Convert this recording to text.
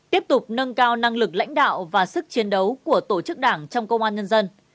tiếp tục nâng cao năng lực lãnh đạo và sức chiến đấu của tổ chức đảng trong công an nhân dân